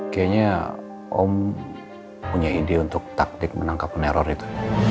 kayanya om punya ide untuk taktik menangkap peneror itu